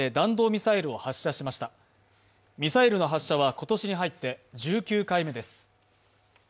ミサイルの発射は今年に入って１９回目です。